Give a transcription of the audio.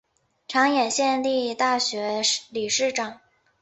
长野县立大学理事长。